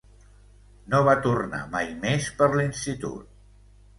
No va tornar mai més per l'institut.